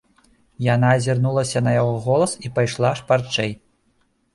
Яна азірнулася на яго голас і пайшла шпарчэй.